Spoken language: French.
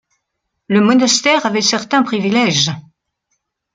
Le monastère avait certains privilèges.